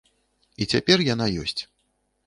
І цяпер яна ёсць.